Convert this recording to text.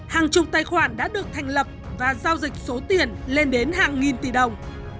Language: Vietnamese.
hàng chục tài khoản đã được thành lập và giao dịch số tiền lên đến hàng nghìn tỷ đồng